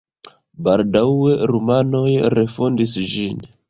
Baldaŭe rumanoj refondis ĝin.